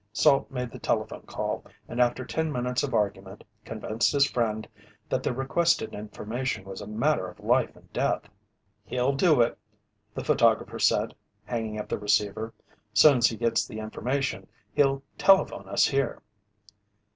Salt made the telephone call, and after ten minutes of argument, convinced his friend that the requested information was a matter of life and death. "He'll do it," the photographer said, hanging up the receiver. "Soon's he gets the information, he'll telephone us here."